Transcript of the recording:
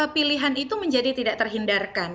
pilihan itu menjadi tidak terhindarkan